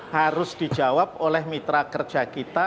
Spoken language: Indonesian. harus dijawab oleh mitra kerja kita